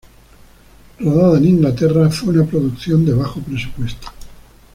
Rodada en Inglaterra, fue una producción de bajo presupuesto.